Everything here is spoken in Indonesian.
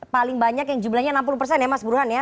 paling banyak yang jumlahnya enam puluh persen ya mas burhan ya